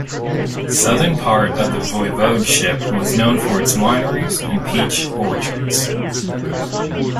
Southern part of the Voivodeship was known for its wineries and peach orchards.